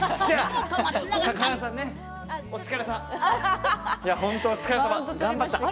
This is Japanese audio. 本当お疲れさま！